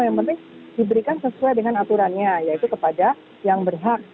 yang penting diberikan sesuai dengan aturannya yaitu kepada yang berhak